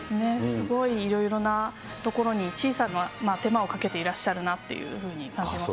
すごいいろいろなところに、小さな手間をかけていらっしゃるなというふうに感じます。